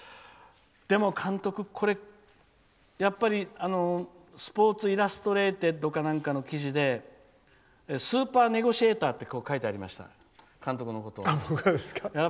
でも、監督スポーツイラストレーテッドか何かの記事でスーパーネゴシエーターって書いてありました監督のことを。